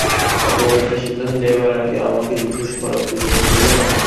এত বড় একটা সিদ্ধান্ত নেবার আগে আমাকে জিজ্ঞেস করারও প্রয়োজন মনে করলে না?